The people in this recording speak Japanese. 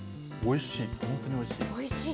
おいしい。